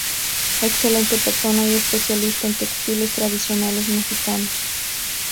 Excelente persona y especialista en textiles tradicionales mexicanos.